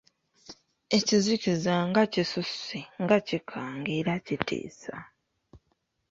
Ekizikiza nga kisusse nga kikanga era kitiisa.